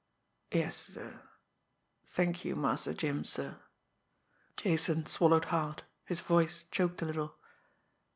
"Yes, sir. Thank you, Master Jim, sir." Jason swallowed hard; his voice choked a little.